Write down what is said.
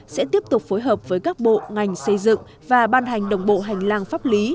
sẽ tiếp tục phối hợp với các bộ ngành xây dựng và ban hành đồng bộ hành lang pháp lý